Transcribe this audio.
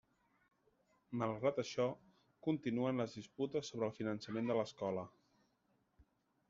Malgrat això, continuen les disputes sobre el finançament de l'Escola.